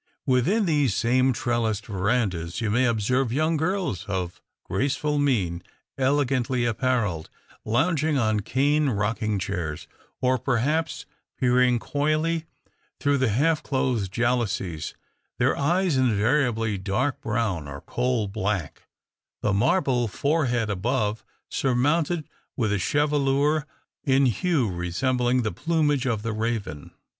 Within these same trellised verandahs, you may observe young girls of graceful mien, elegantly apparelled, lounging on cane rocking chairs, or perhaps peering coyly through the half closed jalousies, their eyes invariably dark brown or coal black, the marble forehead above surmounted with a chevelure in hue resembling the plumage of the raven.